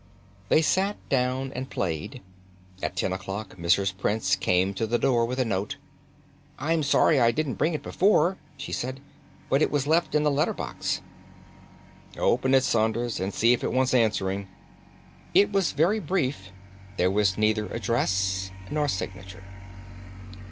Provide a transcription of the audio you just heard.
They sat down and played. At ten o'clock Mrs. Prince came to the door with a note. "I am sorry I didn't bring it before," she said, "but it was left in the letter box." "Open it, Saunders, and see if it wants answering." It was very brief. There was neither address nor signature.